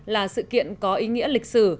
là sự kiện có ý nghĩa lịch sử